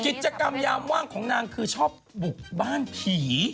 กิจกรรมยามว่างของนางคือชอบบุกบ้านผี